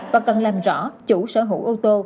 và cần làm rõ chủ sở hữu ô tô